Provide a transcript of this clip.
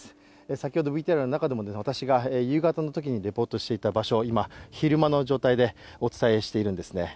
先ほどＶＴＲの中でも私が夕方のときにレポートしていた場所、今、昼間の状態でお伝えしているんですね。